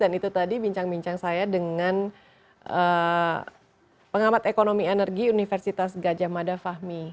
dan itu tadi bincang bincang saya dengan pengamat ekonomi energi universitas gajah mada fahmi